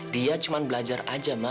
dia cuma belajar aja mbak